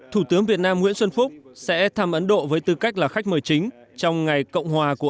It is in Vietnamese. thủ tướng việt nam nguyễn xuân phúc sẽ thăm ấn độ với tư cách là khách mời chính trong ngày cộng hòa của